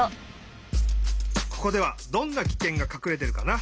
ここではどんなキケンがかくれてるかな？